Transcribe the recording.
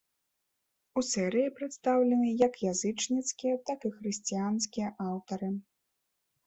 У серыі прадстаўлены як язычніцкія, так і хрысціянскія аўтары.